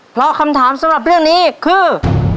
เพราะคำถามสำหรับเรื่องนี้คือ